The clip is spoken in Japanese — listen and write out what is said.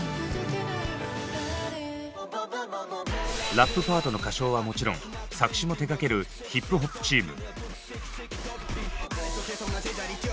ラップパートの歌唱はもちろん作詞も手がける「ヒップホップ」チーム。